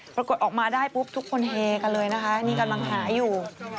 ปรากฏออกมาได้ปุ๊บทุกคนเฮกันเลยนะคะนี่กำลังหาอยู่